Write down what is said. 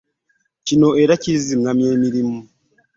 Kino era kiziŋŋamya emirimu.